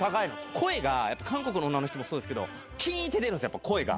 声がやっぱり韓国の女の人もそうですけど、きーんて出るんですよ、声が。